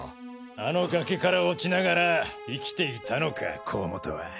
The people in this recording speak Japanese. あの崖から落ちながら生きていたのか甲本は。